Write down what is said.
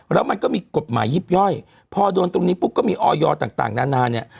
แล้วมันก็มีกฎหมายยิบย่อยพอโดนตรงนี้ปุ๊บก็มีออยต่างนานาเนี่ย